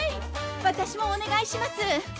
私もお願いします！